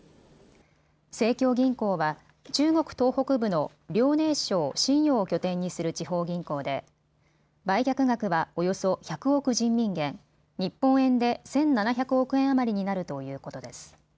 盛京銀行は中国東北部の遼寧省瀋陽を拠点にする地方銀行で売却額はおよそ１００億人民元、日本円で１７００億円余りになるということです。